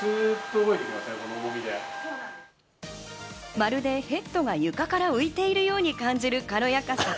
まるでヘッドが床から浮いているように感じる軽やかさ。